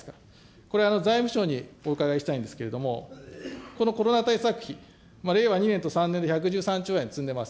これ、財務省にお伺いしたいんですけれども、このコロナ対策費、令和２年と３年で１１３兆円積んでます。